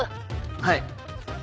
はい。